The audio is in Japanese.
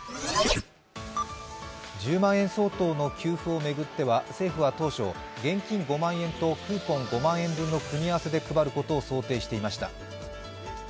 １０万円相当の給付を巡っては政府は当初、現金５万円とクーポン５万円分の組み合わせで配ることを想定していました。